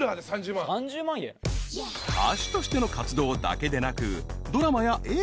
［歌手としての活動だけでなく］